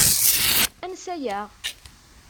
Ansa-aɣ?